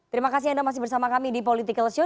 terima kasih anda masih bersama kami di politikalshow